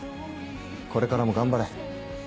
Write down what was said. これからも頑張れ。